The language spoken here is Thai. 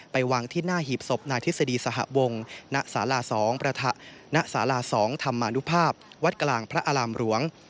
วางที่หน้าหีบศพนายทฤษฎีสหวงณสารา๒ณสารา๒ธรรมนุภาพวัดกลางพระอารามหลวง